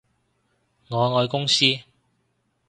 我愛公司